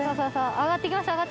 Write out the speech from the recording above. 上がってきました。